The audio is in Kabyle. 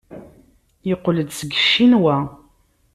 Yeqqel-d seg Ccinwa.